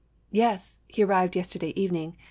"Yes; he arrived yesterday evening.